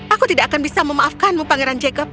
aku tidak akan bisa memaafkanmu pangeran jacob